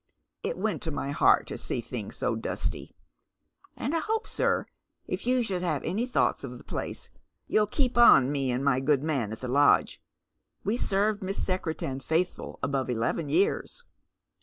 It went to my heart to see things so dusty. And I hope, sir, if you should have any thoughts of the place you'll keep on me and my good man at the lodge. We served Miss Secretan faithful above eleven years."